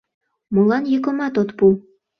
Молан йӱкымат от пу?